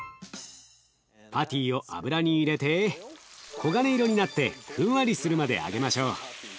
パティを油に入れて黄金色になってふんわりするまで揚げましょう。